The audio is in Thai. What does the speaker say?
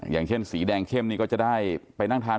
อย่างเช่นสีแดงเข้มนี่ก็จะได้ไปนั่งทาน